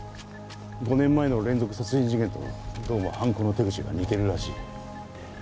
５年前の連続殺人事件とどうも犯行の手口が似てるらしい。